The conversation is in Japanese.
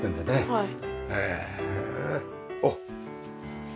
はい。